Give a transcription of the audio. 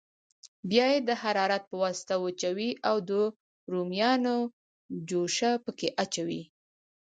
بیا یې د حرارت په واسطه وچوي او د رومیانو جوشه پکې اچوي.